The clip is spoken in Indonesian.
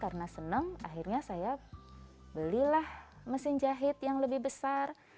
karena senang akhirnya saya belilah mesin jahit yang lebih besar